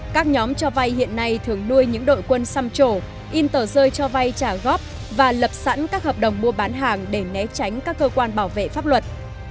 các nhóm cho vay hiện nay thường nuôi những đội quân xăm trổ in tờ rơi cho vay trả góp và lập sẵn các hợp đồng mua bán hàng để né tránh các cơ quan bảo vệ pháp luật